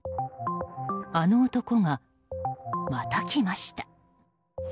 あの男がまた来ました。